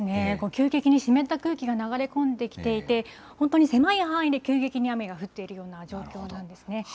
急激に湿った空気が流れ込んできていて、本当に狭い範囲で急激に雨が降っているような状況なんですね。